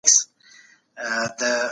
تر نکاح وروسته يو وار مجبورېدلای هم سي